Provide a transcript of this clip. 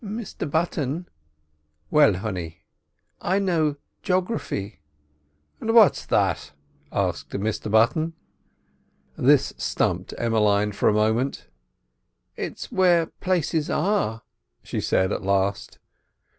"Mr Button!" "Well, honey?" "I know g'ography." "And what's that?" asked Mr Button. This stumped Emmeline for a moment. "It's where places are," she said at last.